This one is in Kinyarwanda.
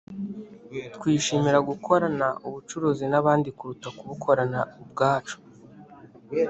twishimira gukorana ubucuruzi n’abandi kuruta kubukorana ubwacu